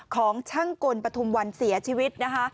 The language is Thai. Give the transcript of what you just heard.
ของช่างกลปฐมวันเสียชีวิต